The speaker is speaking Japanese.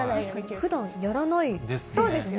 ふだんやらないですよね。